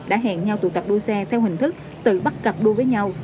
đã hẹn nhau tụ tập đua xe theo hình thức tự bắt cặp đua với nhau